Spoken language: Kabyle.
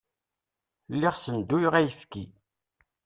Lliɣ ssenduyeɣ ayefki.